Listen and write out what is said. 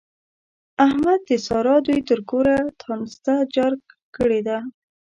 احمد د سارا دوی تر کوره تانسته جار کړې ده.